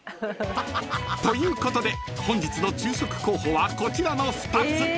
［ということで本日の昼食候補はこちらの２つ］